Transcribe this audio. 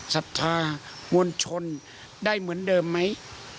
ศรัทธามวลชนได้เหมือนเดิมไหม